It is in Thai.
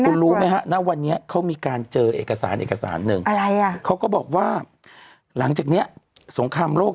กูรู้ไหมฮะณวันนี้เขามีการเจอเอกสารหนึ่งเขาก็บอกว่าหลังจากนี้สงครามโรค